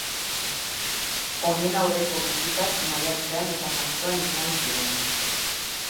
Honen aurreko bisitak maiatzean eta martxoan izan ziren.